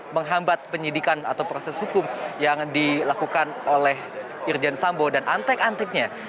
menghambat penyidikan atau proses hukum yang dilakukan oleh irjen sambo dan antek anteknya